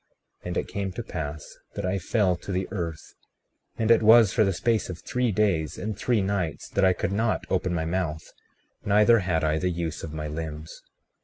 36:10 And it came to pass that I fell to the earth; and it was for the space of three days and three nights that I could not open my mouth, neither had I the use of my limbs.